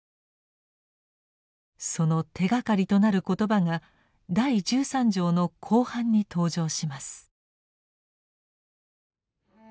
その手がかりとなる言葉が第十三条の後半に登場します。